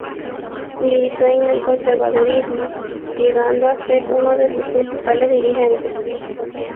Militó en el conservadurismo, llegando a ser uno de sus principales dirigentes.